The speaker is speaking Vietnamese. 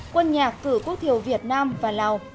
quân nhạc cử quốc thiểu việt nam và lào